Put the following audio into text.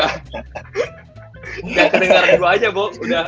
tidak kedengeran gue aja bo